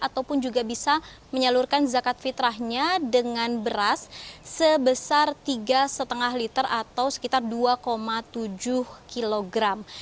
ataupun juga bisa menyalurkan zakat fitrahnya dengan beras sebesar tiga lima liter atau sekitar dua tujuh kilogram